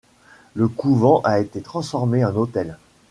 Le couvent a été transformé en hôtel.